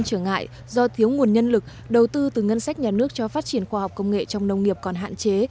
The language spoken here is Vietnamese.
trở ngại do thiếu nguồn nhân lực đầu tư từ ngân sách nhà nước cho phát triển khoa học công nghệ trong nông nghiệp còn hạn chế